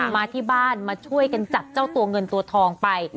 มาที่บ้านมาช่วยกันจับเจ้าตัวเงินตัวทองไป